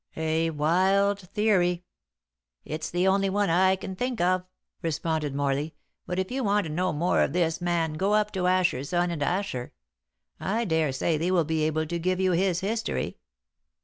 "A wild theory." "It's the only one I can think of," responded Morley; "but if you want to know more of this man go up to Asher, Son, and Asher. I daresay they will be able to give you his history."